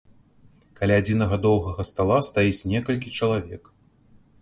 Каля адзінага доўгага стала стаіць некалькі чалавек.